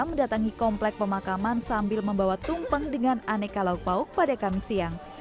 mendatangi komplek pemakaman sambil membawa tumpeng dengan aneka lauk pauk pada kamis siang